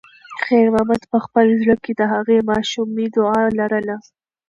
خیر محمد په خپل زړه کې د هغې ماشومې دعا لرله.